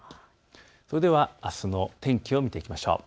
それではあすの天気を見ていきましょう。